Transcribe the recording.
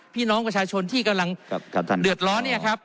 พี่น้องประชาชนที่กำลังเดือดร้อนเนี่ยครับ